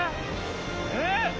えっ？